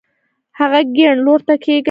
هغه کيڼ لورته کږه شوه.